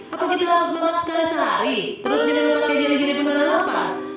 apa kita harus memanaskan sehari terus jangan pakai gini gini beneran apa